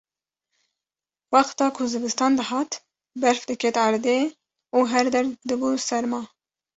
Wexta ku zivistan dihat berf diket erdê û her der dibû serma